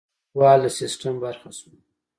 لیکوال د سیستم برخه شوه.